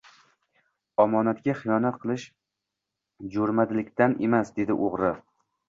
Omonatga xiyonat qilish jo`mardlikdan emas, dedi o`g`ri